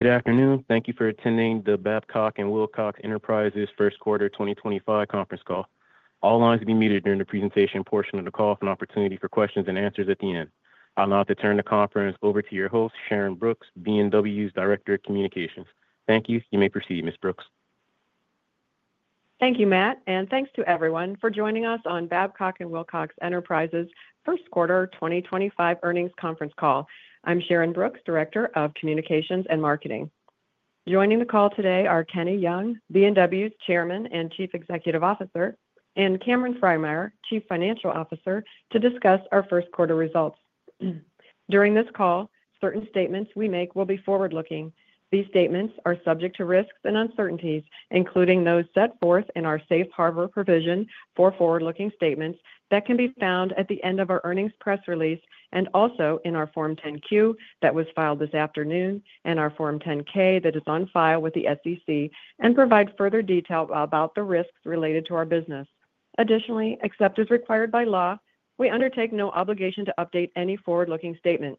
Good afternoon. Thank you for attending the Babcock & Wilcox Enterprises First Quarter 2025 Conference Call. All lines will be muted during the presentation portion of the call for an opportunity for questions and answers at the end. I'll now turn the conference over to your host, Sharyn Brooks, B&W's Director of Communications. Thank you. You may proceed, Ms. Brooks. Thank you, Matt, and thanks to everyone for joining us on Babcock & Wilcox Enterprises First Quarter 2025 Earnings Conference Call. I'm Sharyn Brooks, Director of Communications and Marketing. Joining the call today are Kenny Young, B&W's Chairman and Chief Executive Officer, and Cameron Frymyer, Chief Financial Officer, to discuss our first quarter results. During this call, certain statements we make will be forward-looking. These statements are subject to risks and uncertainties, including those set forth in our Safe Harbor provision for forward-looking statements that can be found at the end of our earnings press release and also in our Form 10-Q that was filed this afternoon and our Form 10-K that is on file with the SEC, and provide further detail about the risks related to our business. Additionally, except as required by law, we undertake no obligation to update any forward-looking statement.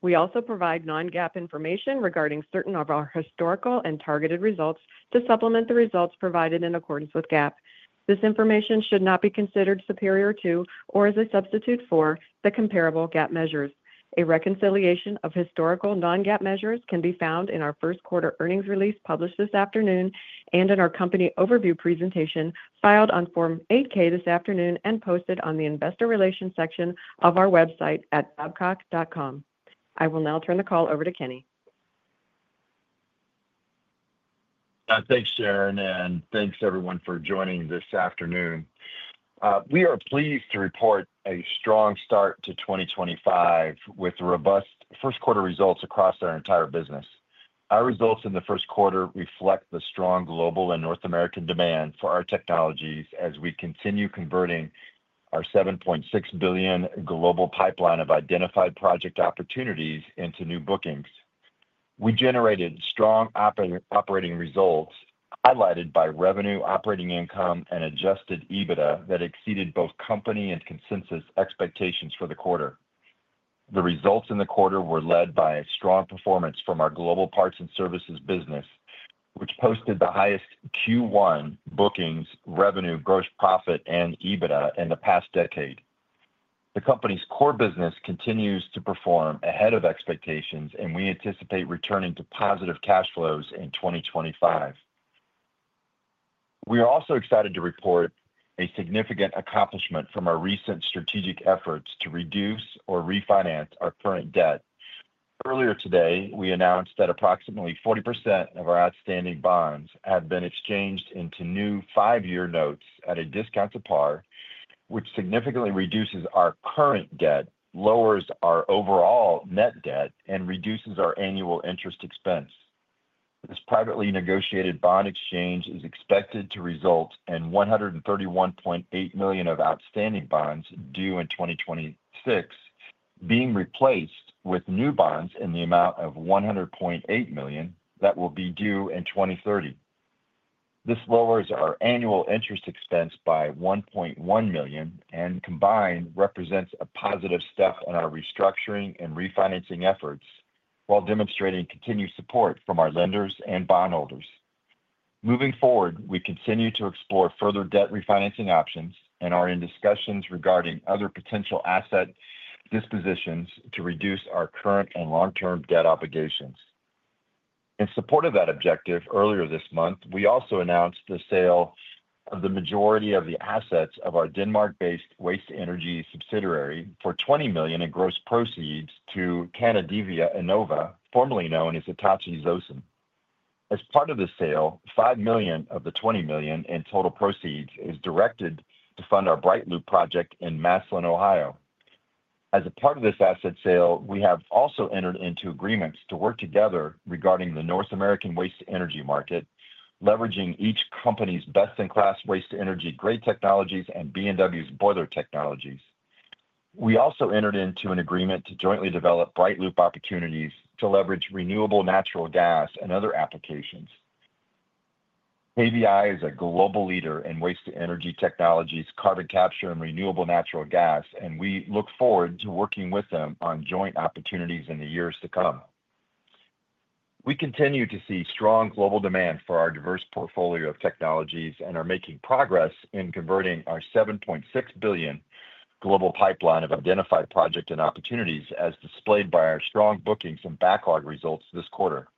We also provide non-GAAP information regarding certain of our historical and targeted results to supplement the results provided in accordance with GAAP. This information should not be considered superior to or as a substitute for the comparable GAAP measures. A reconciliation of historical non-GAAP measures can be found in our first quarter earnings release published this afternoon and in our company overview presentation filed on Form 8-K this afternoon and posted on the Investor Relations section of our website at babcock.com. I will now turn the call over to Kenny. Thanks, Sharyn, and thanks everyone for joining this afternoon. We are pleased to report a strong start to 2025 with robust first quarter results across our entire business. Our results in the first quarter reflect the strong global and North American demand for our technologies as we continue converting our $7.6 billion global pipeline of identified project opportunities into new bookings. We generated strong operating results highlighted by revenue, operating income, and adjusted EBITDA that exceeded both company and consensus expectations for the quarter. The results in the quarter were led by strong performance from our global parts and services business, which posted the highest Q1 bookings, revenue, gross profit, and EBITDA in the past decade. The company's core business continues to perform ahead of expectations, and we anticipate returning to positive cash flows in 2025. We are also excited to report a significant accomplishment from our recent strategic efforts to reduce or refinance our current debt. Earlier today, we announced that approximately 40% of our outstanding bonds had been exchanged into new five-year notes at a discount to par, which significantly reduces our current debt, lowers our overall net debt, and reduces our annual interest expense. This privately negotiated bond exchange is expected to result in $131.8 million of outstanding bonds due in 2026 being replaced with new bonds in the amount of $100.8 million that will be due in 2030. This lowers our annual interest expense by $1.1 million and combined represents a positive step in our restructuring and refinancing efforts while demonstrating continued support from our lenders and bondholders. Moving forward, we continue to explore further debt refinancing options and are in discussions regarding other potential asset dispositions to reduce our current and long-term debt obligations. In support of that objective, earlier this month, we also announced the sale of the majority of the assets of our Denmark-based waste energy subsidiary for $20 million in gross proceeds to Kanadevia Inova, formerly known as Hitachi Zosen. As part of the sale, $5 million of the $20 million in total proceeds is directed to fund our BrightLoop project in Massillon, Ohio. As a part of this asset sale, we have also entered into agreements to work together regarding the North American waste energy market, leveraging each company's best-in-class waste energy grade technologies and B&W's boiler technologies. We also entered into an agreement to jointly develop BrightLoop opportunities to leverage renewable natural gas and other applications. KBI is a global leader in waste energy technologies, carbon capture, and renewable natural gas, and we look forward to working with them on joint opportunities in the years to come. We continue to see strong global demand for our diverse portfolio of technologies and are making progress in converting our $7.6 billion global pipeline of identified project and opportunities as displayed by our strong bookings and backlog results this quarter.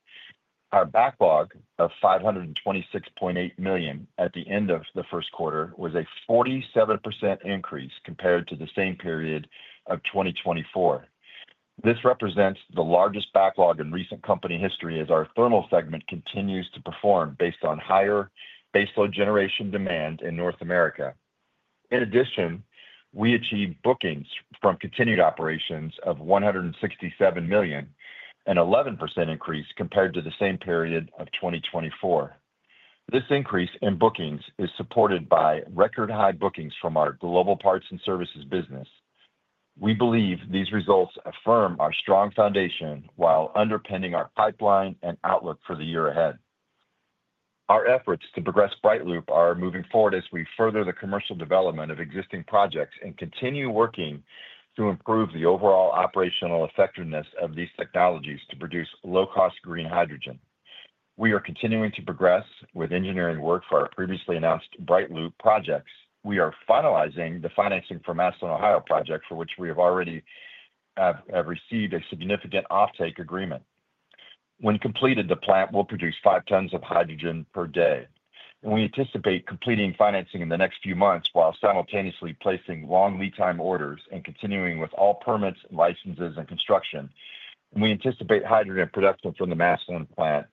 Our backlog of $526.8 million at the end of the first quarter was a 47% increase compared to the same period of 2024. This represents the largest backlog in recent company history as our thermal segment continues to perform based on higher baseload generation demand in North America. In addition, we achieved bookings from continued operations of $167 million, an 11% increase compared to the same period of 2024. This increase in bookings is supported by record-high bookings from our global parts and services business. We believe these results affirm our strong foundation while underpinning our pipeline and outlook for the year ahead. Our efforts to progress BrightLoop are moving forward as we further the commercial development of existing projects and continue working to improve the overall operational effectiveness of these technologies to produce low-cost green hydrogen. We are continuing to progress with engineering work for our previously announced BrightLoop projects. We are finalizing the financing for the Massillon, Ohio project, for which we have already received a significant offtake agreement. When completed, the plant will produce 5 tons of hydrogen per day. We anticipate completing financing in the next few months while simultaneously placing long lead time orders and continuing with all permits, licenses, and construction. We anticipate hydrogen production from the Massillon plant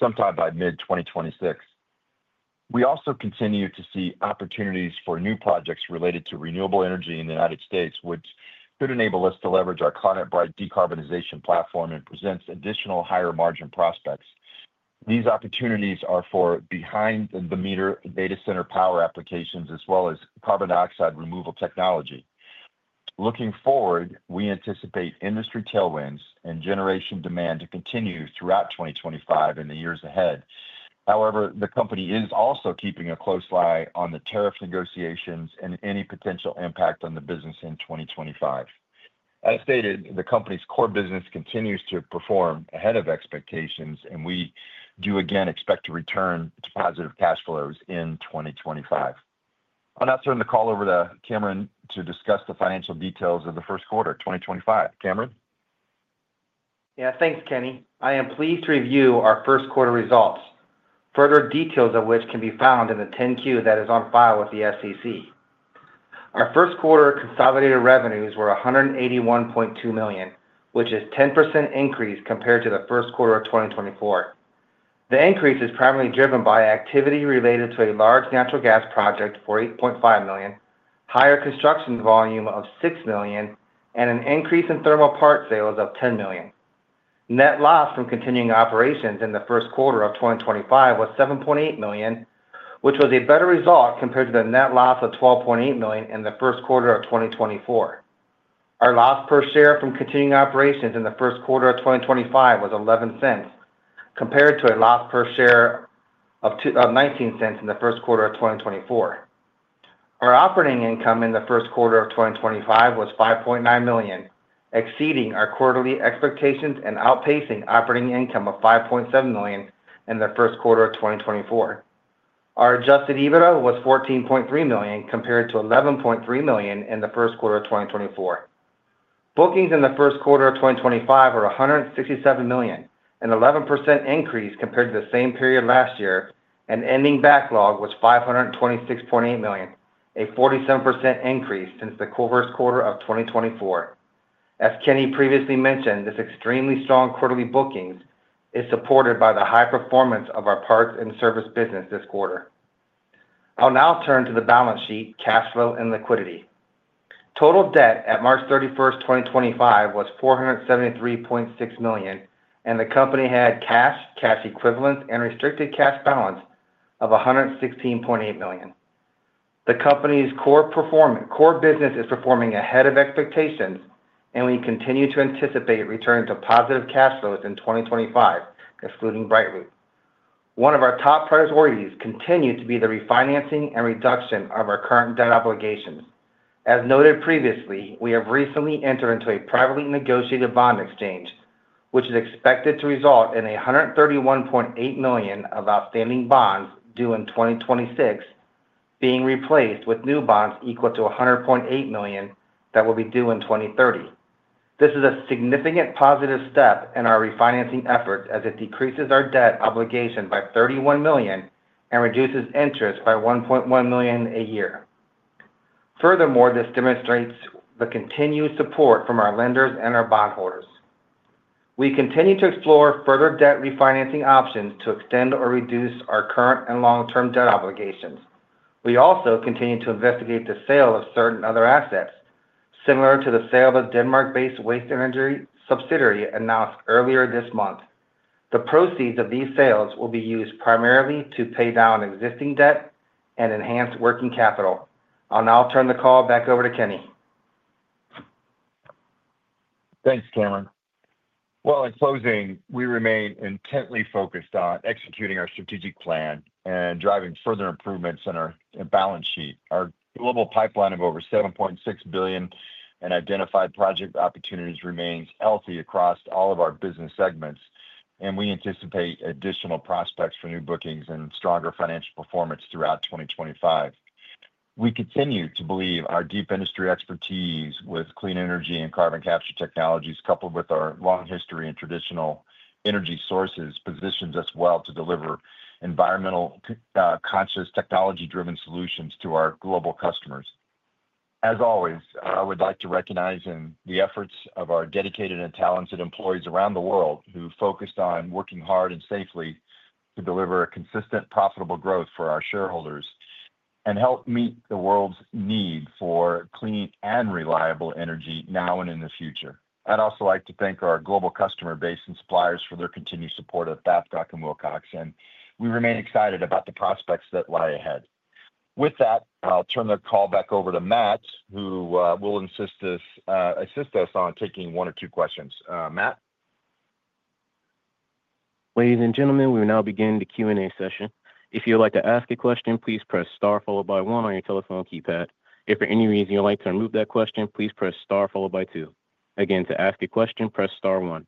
sometime by mid-2026. We also continue to see opportunities for new projects related to renewable energy in the United States, which could enable us to leverage our ClimateBright decarbonization platform and presents additional higher margin prospects. These opportunities are for behind-the-meter data center power applications as well as carbon dioxide removal technology. Looking forward, we anticipate industry tailwinds and generation demand to continue throughout 2025 and the years ahead. However, the company is also keeping a close eye on the tariff negotiations and any potential impact on the business in 2025. As stated, the company's core business continues to perform ahead of expectations, and we do again expect to return to positive cash flows in 2025. I'll now turn the call over to Cameron to discuss the financial details of the first quarter 2025. Cameron? Yeah, thanks, Kenny. I am pleased to review our first quarter results, further details of which can be found in the 10-Q that is on file with the SEC. Our first quarter consolidated revenues were $181.2 million, which is a 10% increase compared to the first quarter of 2024. The increase is primarily driven by activity related to a large natural gas project for $8.5 million, higher construction volume of $6 million, and an increase in thermal part sales of $10 million. Net loss from continuing operations in the first quarter of 2025 was $7.8 million, which was a better result compared to the net loss of $12.8 million in the first quarter of 2024. Our loss per share from continuing operations in the first quarter of 2025 was $0.11 compared to a loss per share of $0.19 in the first quarter of 2024. Our operating income in the first quarter of 2025 was $5.9 million, exceeding our quarterly expectations and outpacing operating income of $5.7 million in the first quarter of 2024. Our adjusted EBITDA was $14.3 million compared to $11.3 million in the first quarter of 2024. Bookings in the first quarter of 2025 were $167 million, an 11% increase compared to the same period last year, and ending backlog was $526.8 million, a 47% increase since the first quarter of 2024. As Kenny previously mentioned, this extremely strong quarterly booking is supported by the high performance of our parts and service business this quarter. I'll now turn to the balance sheet, cash flow, and liquidity. Total debt at March 31st 2025, was $473.6 million, and the company had cash, cash equivalents, and restricted cash balance of $116.8 million. The company's core business is performing ahead of expectations, and we continue to anticipate returning to positive cash flows in 2025, excluding BrightLoop. One of our top priorities continues to be the refinancing and reduction of our current debt obligations. As noted previously, we have recently entered into a privately negotiated bond exchange, which is expected to result in $131.8 million of outstanding bonds due in 2026 being replaced with new bonds equal to $100.8 million that will be due in 2030. This is a significant positive step in our refinancing efforts as it decreases our debt obligation by $31 million and reduces interest by $1.1 million a year. Furthermore, this demonstrates the continued support from our lenders and our bondholders. We continue to explore further debt refinancing options to extend or reduce our current and long-term debt obligations. We also continue to investigate the sale of certain other assets, similar to the sale of Denmark-based waste energy subsidiary announced earlier this month. The proceeds of these sales will be used primarily to pay down existing debt and enhance working capital. I'll now turn the call back over to Kenny. Thanks, Cameron. In closing, we remain intently focused on executing our strategic plan and driving further improvements in our balance sheet. Our global pipeline of over $7.6 billion in identified project opportunities remains healthy across all of our business segments, and we anticipate additional prospects for new bookings and stronger financial performance throughout 2025. We continue to believe our deep industry expertise with clean energy and carbon capture technologies, coupled with our long history in traditional energy sources, positions us well to deliver environmental-conscious, technology-driven solutions to our global customers. As always, I would like to recognize the efforts of our dedicated and talented employees around the world who focused on working hard and safely to deliver consistent, profitable growth for our shareholders and help meet the world's need for clean and reliable energy now and in the future. I'd also like to thank our global customer base and suppliers for their continued support of Babcock & Wilcox, and we remain excited about the prospects that lie ahead. With that, I'll turn the call back over to Matt, who will assist us on taking one or two questions. Matt. Ladies and gentlemen, we will now begin the Q&A session. If you would like to ask a question, please press Star followed by 1 on your telephone keypad. If for any reason you would like to remove that question, please press Star followed by 2. Again, to ask a question, press Star 1.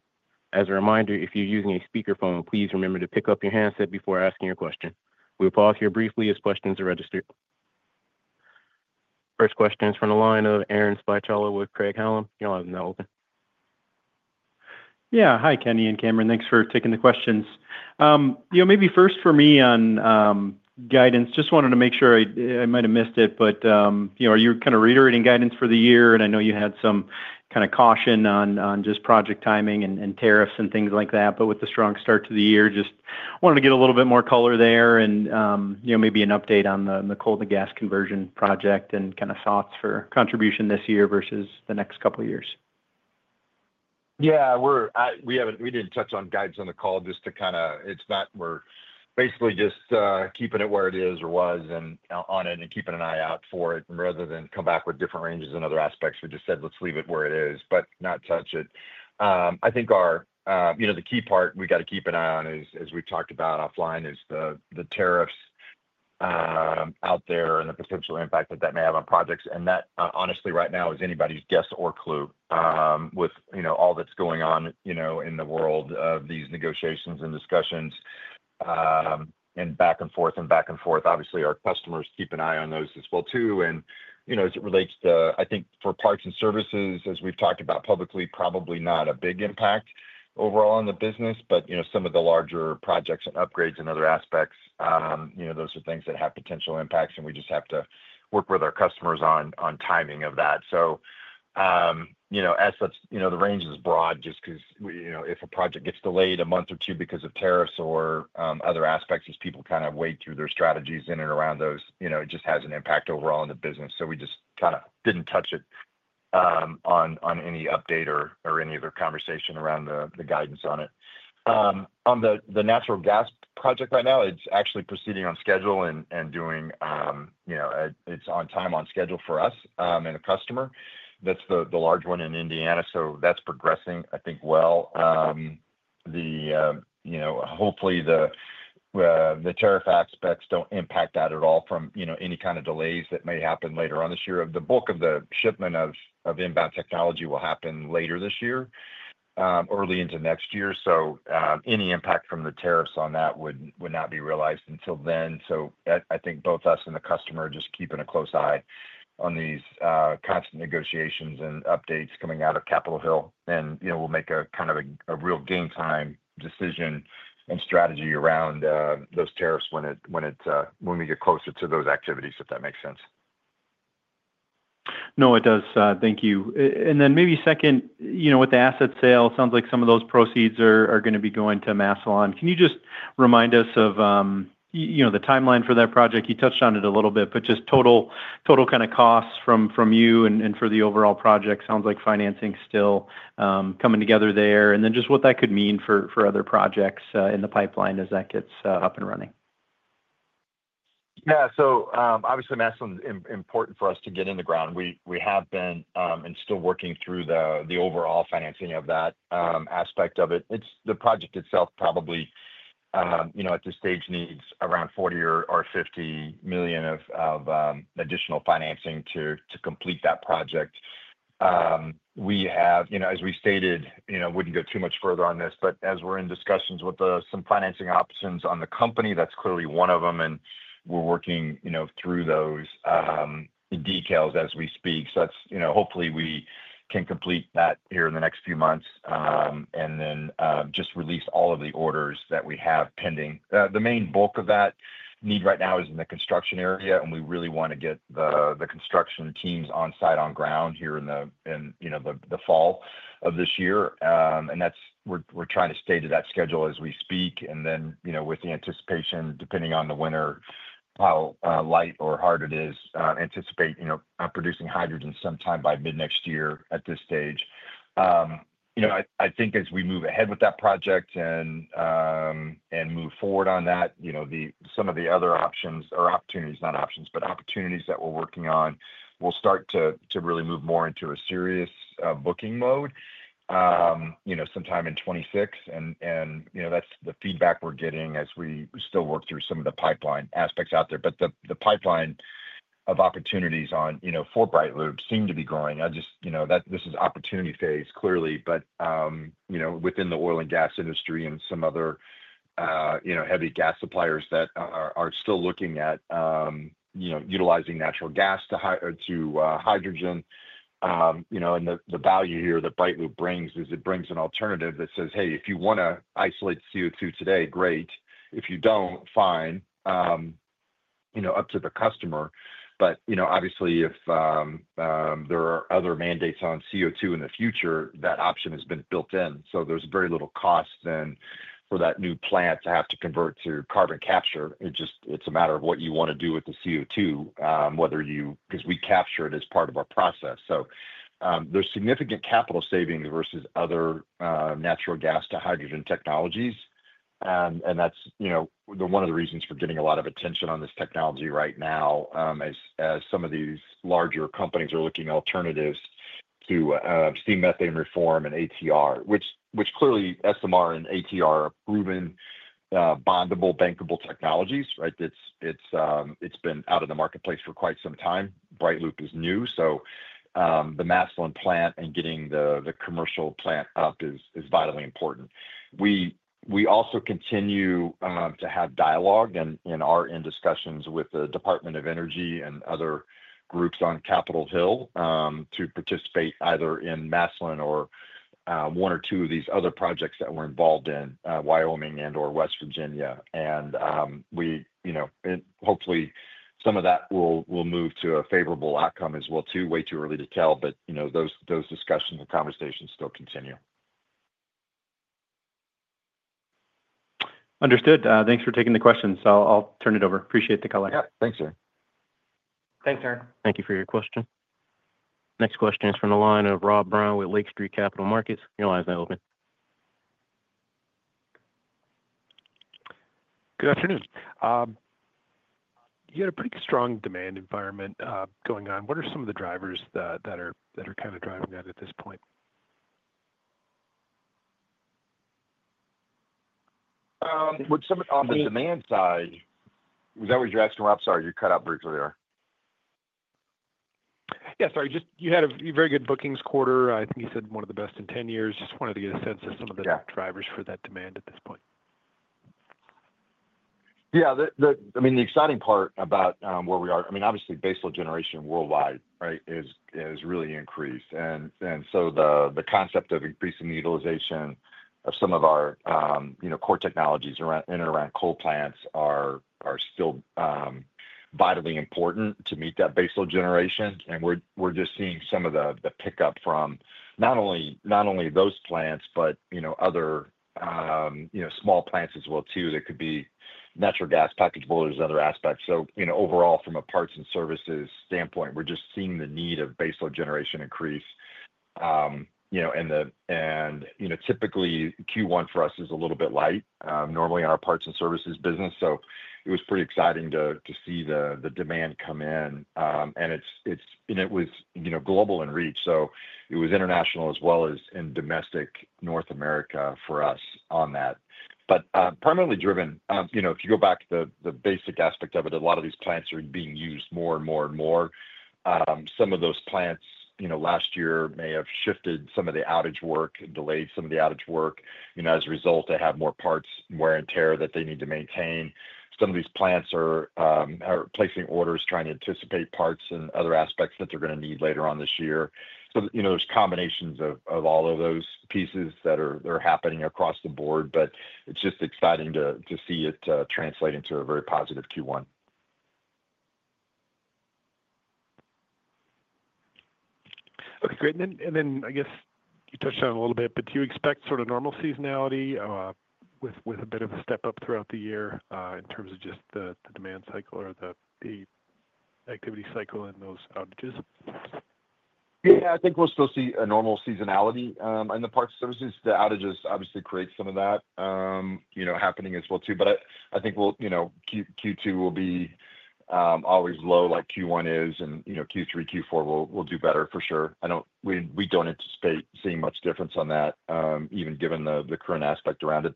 As a reminder, if you're using a speakerphone, please remember to pick up your handset before asking your question. We'll pause here briefly as questions are registered. First question is from the line of Aaron Spychalla with Craig-Hallum. Your line is now open. Yeah. Hi, Kenny and Cameron. Thanks for taking the questions. Maybe first for me on guidance, just wanted to make sure I might have missed it, but are you kind of reiterating guidance for the year? I know you had some kind of caution on just project timing and tariffs and things like that, but with the strong start to the year, just wanted to get a little bit more color there and maybe an update on the coal-to-gas conversion project and kind of thoughts for contribution this year versus the next couple of years. Yeah. We did not touch on guidance on the call just to kind of, we are basically just keeping it where it is or was and on it and keeping an eye out for it rather than come back with different ranges and other aspects. We just said, "Let's leave it where it is," but not touch it. I think the key part we got to keep an eye on, as we have talked about offline, is the tariffs out there and the potential impact that that may have on projects. That, honestly, right now, is anybody's guess or clue with all that is going on in the world of these negotiations and discussions and back and forth and back and forth. Obviously, our customers keep an eye on those as well too. As it relates to, I think, for parts and services, as we've talked about publicly, probably not a big impact overall on the business, but some of the larger projects and upgrades and other aspects, those are things that have potential impacts, and we just have to work with our customers on timing of that. The range is broad just because if a project gets delayed a month or two because of tariffs or other aspects, as people kind of wade through their strategies in and around those, it just has an impact overall on the business. We just kind of didn't touch it on any update or any other conversation around the guidance on it. On the natural gas project right now, it's actually proceeding on schedule and doing its on time, on schedule for us and the customer. That's the large one in Indiana, so that's progressing, I think, well. Hopefully, the tariff aspects don't impact that at all from any kind of delays that may happen later on this year. The bulk of the shipment of inbound technology will happen later this year, early into next year. Any impact from the tariffs on that would not be realized until then. I think both us and the customer are just keeping a close eye on these constant negotiations and updates coming out of Capitol Hill, and we'll make a kind of a real game-time decision and strategy around those tariffs when we get closer to those activities, if that makes sense. No, it does. Thank you. Maybe second, with the asset sale, it sounds like some of those proceeds are going to be going to Massillon. Can you just remind us of the timeline for that project? You touched on it a little bit, but just total kind of costs from you and for the overall project. Sounds like financing's still coming together there. Just what that could mean for other projects in the pipeline as that gets up and running. Yeah. So obviously, Massillon's important for us to get in the ground. We have been and still working through the overall financing of that aspect of it. The project itself probably, at this stage, needs around $40 million or $50 million of additional financing to complete that project. We have, as we stated, would not go too much further on this, but as we are in discussions with some financing options on the company, that is clearly one of them, and we are working through those details as we speak. Hopefully, we can complete that here in the next few months and then just release all of the orders that we have pending. The main bulk of that need right now is in the construction area, and we really want to get the construction teams on-site, on-ground here in the fall of this year. We're trying to stay to that schedule as we speak, and then with the anticipation, depending on the winter, how light or hard it is, anticipate producing hydrogen sometime by mid-next year at this stage. I think as we move ahead with that project and move forward on that, some of the other options or opportunities, not options, but opportunities that we're working on will start to really move more into a serious booking mode sometime in 2026. That's the feedback we're getting as we still work through some of the pipeline aspects out there. The pipeline of opportunities for BrightLoop seem to be growing. This is opportunity phase, clearly, but within the oil and gas industry and some other heavy gas suppliers that are still looking at utilizing natural gas to hydrogen. The value here that BrightLoop brings is it brings an alternative that says, "Hey, if you want to isolate CO2 today, great. If you do not, fine," up to the customer. Obviously, if there are other mandates on CO2 in the future, that option has been built in. There is very little cost then for that new plant to have to convert to carbon capture. It is a matter of what you want to do with the CO2 because we capture it as part of our process. There are significant capital savings versus other natural gas to hydrogen technologies. That is one of the reasons for getting a lot of attention on this technology right now as some of these larger companies are looking at alternatives to steam methane reform and ATR, which clearly SMR and ATR are proven bondable, bankable technologies, right? It's been out of the marketplace for quite some time. BrightLoop is new. The Massillon plant and getting the commercial plant up is vitally important. We also continue to have dialogue and are in discussions with the Department of Energy and other groups on Capitol Hill to participate either in Massillon or one or two of these other projects that we're involved in, Wyoming and/or West Virginia. Hopefully, some of that will move to a favorable outcome as well too. Way too early to tell, but those discussions and conversations still continue. Understood. Thanks for taking the questions. I'll turn it over. Appreciate the call. Yeah. Thanks, Aaron. Thanks, Aaron. Thank you for your question. Next question is from the line of Rob Brown with Lake Street Capital Markets. You're on the line now, Rob. Good afternoon. You had a pretty strong demand environment going on. What are some of the drivers that are kind of driving that at this point? On the demand side, was that what you're asking? I'm sorry, you cut out briefly there. Yeah. Sorry. You had a very good bookings quarter. I think you said one of the best in 10 years. Just wanted to get a sense of some of the drivers for that demand at this point. Yeah. I mean, the exciting part about where we are, I mean, obviously, baseline generation worldwide, right, has really increased. The concept of increasing the utilization of some of our core technologies in and around coal plants are still vitally important to meet that baseline generation. We're just seeing some of the pickup from not only those plants, but other small plants as well too that could be natural gas, package boilers, other aspects. Overall, from a parts and services standpoint, we're just seeing the need of baseline generation increase. Typically, Q1 for us is a little bit light normally in our parts and services business. It was pretty exciting to see the demand come in. It was global in reach. It was international as well as in domestic North America for us on that. Primarily driven, if you go back to the basic aspect of it, a lot of these plants are being used more and more and more. Some of those plants last year may have shifted some of the outage work and delayed some of the outage work. As a result, they have more parts wear and tear that they need to maintain. Some of these plants are placing orders, trying to anticipate parts and other aspects that they're going to need later on this year. There are combinations of all of those pieces that are happening across the board, but it's just exciting to see it translate into a very positive Q1. Okay. Great. I guess you touched on it a little bit, but do you expect sort of normal seasonality with a bit of a step up throughout the year in terms of just the demand cycle or the activity cycle and those outages? Yeah. I think we'll still see a normal seasonality in the parts and services. The outages obviously create some of that happening as well too. I think Q2 will be always low like Q1 is, and Q3, Q4 will do better for sure. We don't anticipate seeing much difference on that, even given the current aspect around it.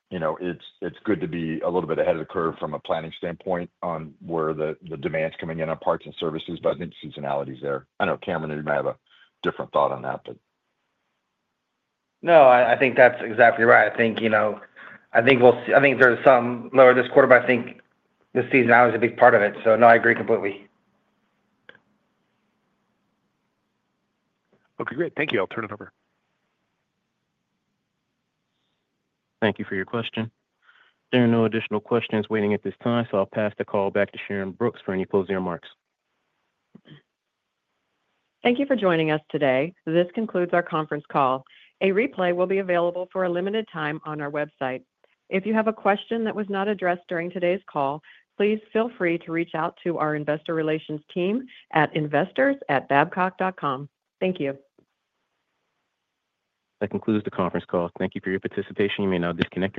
It's good to be a little bit ahead of the curve from a planning standpoint on where the demand's coming in on parts and services, but I think seasonality is there. I know Cameron and you might have a different thought on that, but. No, I think that's exactly right. I think there's some lower this quarter, but I think the seasonality is a big part of it. No, I agree completely. Okay. Great. Thank you. I'll turn it over. Thank you for your question. There are no additional questions waiting at this time, so I'll pass the call back to Sharyn Brooks for any closing remarks. Thank you for joining us today. This concludes our conference call. A replay will be available for a limited time on our website. If you have a question that was not addressed during today's call, please feel free to reach out to our Investor Relations Team at investors@babcock.com. Thank you. That concludes the conference call. Thank you for your participation. You may now disconnect.